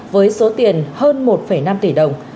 với số tiền hơn một năm tỷ đồng